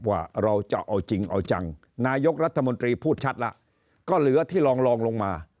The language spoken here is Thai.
ว่าเราจะเอาจริงเอาจังนายกรัฐมนตรีพูดชัดแล้วก็เหลือที่ลองลองลงมา